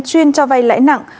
chuyên cho vay lãi nặng